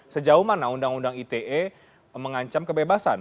sejauh mana undang undang ite mengancam kebebasan